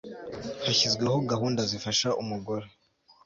hashyizweho gahunda zifasha umugore